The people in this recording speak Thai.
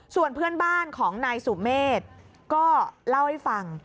ส่วนเพื่อนบ้านของนายสุเมฆก็เล่าให้ฟัง